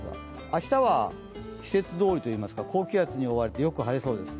明日は季節どおりといいますか高気圧に覆われてよく晴れそうです。